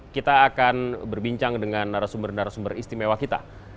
kita akan berbincang dengan narasumber narasumber istimewa kita